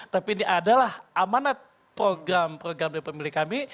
tapi ini adalah amanah program program pemilik kami